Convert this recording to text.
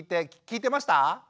聞いてました？